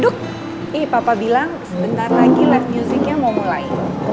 ih papa bilang sebentar lagi live musicnya mau mulai